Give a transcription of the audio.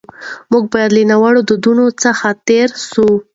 موږ باید له ناوړه دودونو څخه تېر سو.